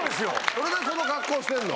それでその格好してんの？